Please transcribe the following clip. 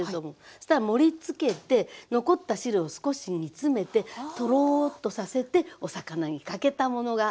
そしたら盛りつけて残った汁を少し煮詰めてトローッとさせてお魚にかけたものが。